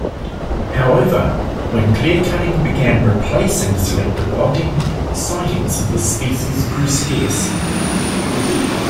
However, when clear-cutting began replacing selective logging, sightings of this species grew scarce.